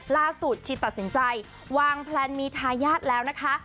ล่าสุดฉีดตัดสินใจวางแพลนมีทายาทแล้วนะคะ